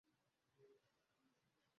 mu gitabo cye Muri twe Guhura na none